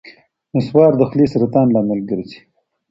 نصوار د خولې سرطان لامل ګرځي.